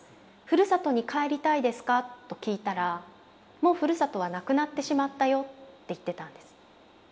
「ふるさとに帰りたいですか」と聞いたら「もうふるさとはなくなってしまったよ」って言ってたんです。